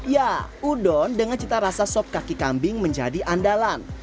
ya udon dengan cita rasa sop kaki kambing menjadi andalan